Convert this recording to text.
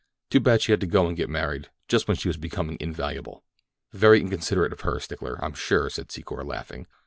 Too bad she had to go and get married—just when she was becoming invaluable." "Very inconsiderate of her, Stickler, I'm sure," said Secor, laughing.